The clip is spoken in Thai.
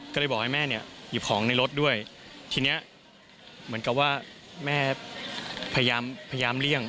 ก็เลยบอกให้แม่เนี่ยหยิบของในรถด้วยทีนี้เหมือนกับว่าแม่พยายามเลี่ยง